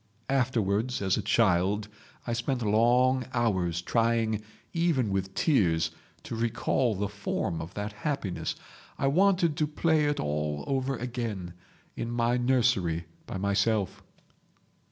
Afterwards, as a child, I spent long hours trying, even with tears, to recall the form of that happiness. I wanted to play it all over again—in my nursery—by myself.